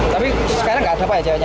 tapi sekarang nggak ada pak ya jawanya